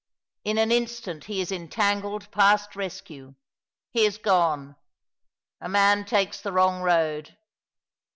In an instant he is entangled past rescue. He is gone. A man takes the wrong road.